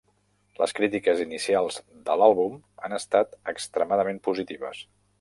Les crítiques inicials de l'àlbum han estat extremadament positives.